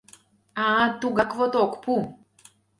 — А тугак вот ок пу.